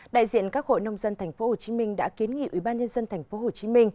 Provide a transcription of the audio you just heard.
đại diện các hội nông dân tp hcm đã kiến nghị ubnd tp hcm